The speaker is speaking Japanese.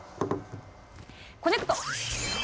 コネクト！